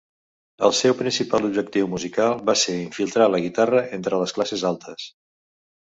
El seu principal objectiu musical va ser infiltrar la guitarra entre les classes altes.